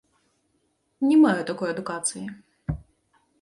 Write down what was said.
Не маю такой адукацыі.